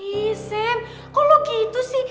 ih sam kok lo gitu sih